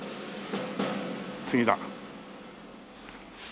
次だ。